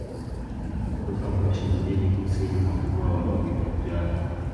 Kutoka Moshi mjini kusini mwa mkoa wa Kilimanjaro